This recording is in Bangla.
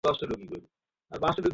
শুধু অপেক্ষা কর।